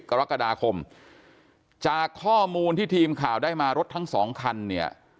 กรกฎาคมจากข้อมูลที่ทีมข่าวได้มารถทั้งสองคันเนี่ย